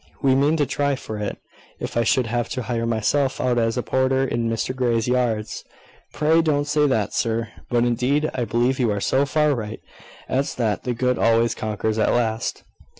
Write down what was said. We mean to try for it, if I should have to hire myself out as a porter in Mr Grey's yards." "Pray, don't say that, sir. But, indeed, I believe you are so far right as that the good always conquers at last."